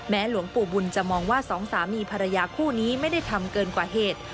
หลวงปู่บุญจะมองว่าสองสามีภรรยาคู่นี้ไม่ได้ทำเกินกว่าเหตุ